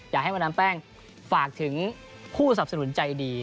อยากให้มาดามแป้งฝากถึงผู้สับสนุนใจดี